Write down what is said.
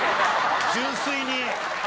純粋に。